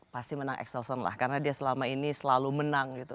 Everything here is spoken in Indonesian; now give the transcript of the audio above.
pasti menang exelsen lah karena dia selama ini selalu menang gitu